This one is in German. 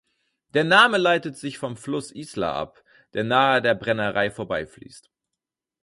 Der Name leitet sich vom Fluss Isla ab, der nahe der Brennerei vorbeifließt.